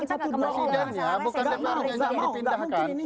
tidak mau tidak mungkin ini